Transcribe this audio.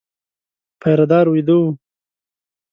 پيره دار وېده و.